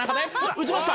「打ちました！